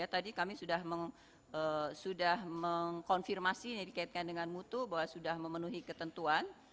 tadi kami sudah mengkonfirmasi ini dikaitkan dengan mutu bahwa sudah memenuhi ketentuan